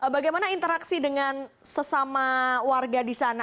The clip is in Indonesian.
bagaimana interaksi dengan sesama warga di sana